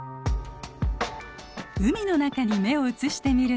海の中に目を移してみると。